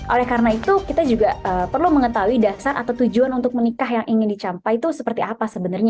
oleh karena itu kita juga perlu mengetahui dasar atau tujuan untuk menikah yang ingin dicapai itu seperti apa sebenarnya